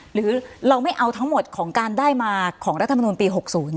หรือเราแล้วไม่เอาทั้งหมดของการได้มาของรัฐบาลราชิกรมปี๖๐